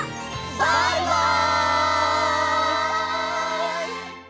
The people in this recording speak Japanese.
バイバイ！